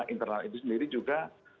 internal itu sendiri juga